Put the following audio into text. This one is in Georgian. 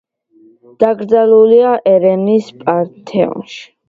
დაკრძალულია ერევნის პანთეონში.